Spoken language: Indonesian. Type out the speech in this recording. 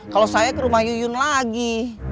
kalau saya ke rumah yuyun lagi